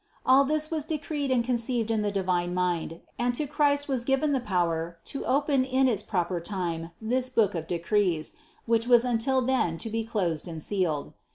All this was decreed and conceived in the divine mind and to Christ was given the power to open in its proper time this book of de crees, which was until then to be closed and sealed.